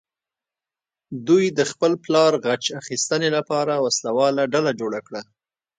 دوی د خپل پلار غچ اخیستنې لپاره وسله واله ډله جوړه کړه.